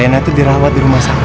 mama magas terus